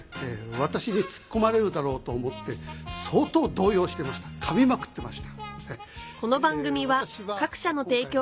私にツッコまれるだろうと思って相当動揺してました噛みまくってました。